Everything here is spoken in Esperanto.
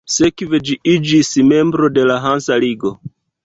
Sekve ĝi iĝis membro de la Hansa Ligo.